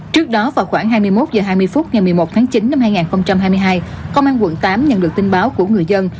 trước đó vào khoảng hai mươi một h hai mươi phút ngày một mươi một tháng chín năm hai nghìn hai mươi hai công an quận tám nhận được tin báo của người dân